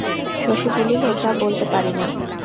শশী বলিল, তা বলতে পারি না।